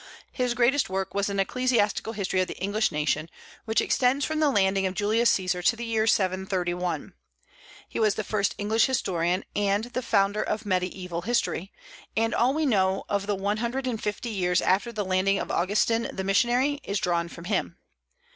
His greatest work was an "Ecclesiastical History of the English Nation," which extends from the landing of Julius Caesar to the year 731. He was the first English historian, and the founder of mediaeval history, and all we know of the one hundred and fifty years after the landing of Augustin the missionary is drawn from him.